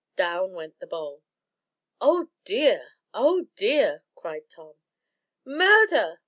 Down went the bowl. "Oh dear! oh dear!" cried Tom. "Murder!